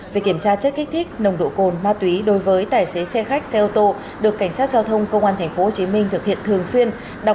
việc kiểm tra chất kích thích nồng độ cồn ma túy đối với tài xế xe khách xe ô tô được cảnh sát giao thông công an tp hcm thực hiện thường xuyên